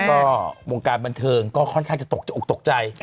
ก็วงการบันเทิงก็ค่อนข้างจะตกอกตกใจ